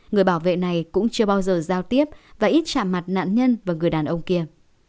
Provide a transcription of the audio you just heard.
người bảo vệ này cũng chưa bao giờ giao tiếp và ít chạm mặt nạn nhân và người đàn ông kia